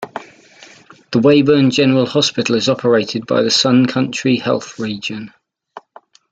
The Weyburn General Hospital is operated by the SunCountry Health Region.